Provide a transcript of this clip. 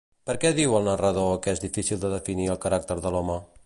Per què diu el narrador que és difícil de definir el caràcter de l'home?